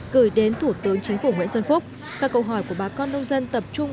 gửi đến thủ tướng chính phủ nguyễn xuân phúc các câu hỏi của bà con nông dân tập trung